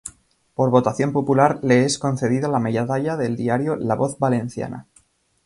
Por votación popular le es concedida la medalla del diario ‘’La Voz Valenciana’’.